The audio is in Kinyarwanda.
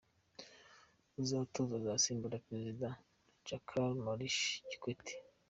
Uzatorwa azasimbura Pereze Jakaya Mrisho Kikwete.